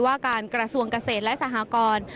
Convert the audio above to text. ว่าการกระทรวงเกษตรและสหกร